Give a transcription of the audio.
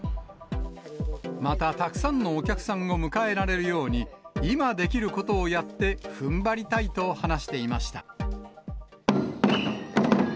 また、たくさんのお客さんを迎えられるように、今できることをやって、ふんばりたいと話していました。